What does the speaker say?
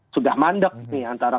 sudah mandek nih antara